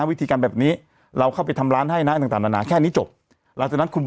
วิธีการแบบนี้เราเข้าไปทำร้านให้นะทั้งตามนานาแค่นี้จบหลังจากนั้นคุณบริหารเองเลย